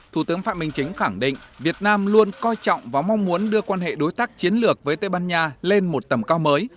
thủ tướng phạm minh chính khẳng định việt nam luôn coi trọng và mong muốn đưa quan hệ đối tác chiến lược với tây ban nha lên một tầm cao mới